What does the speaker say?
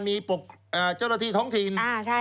มีเจ้าหน้าที่ท้องถิ่น